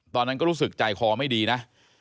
ตอนนั้นก็รู้สึกใจคอไม่ดีนะ